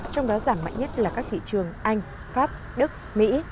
trong đó giảm mạnh nhất là các thị trường anh pháp đức mỹ